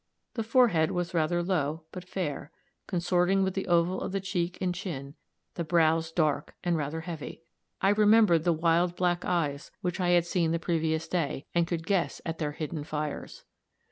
The forehead was rather low, but fair, consorting with the oval of the cheek and chin; the brows dark and rather heavy. I remembered the wild black eyes which I had seen the previous day, and could guess at their hidden fires.